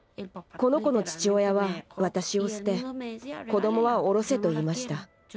この子の父親は私を捨て子どもはおろせと言いました。